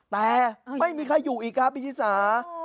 แต่ไม่มีใครอยู่อีกครับพี่ชิสา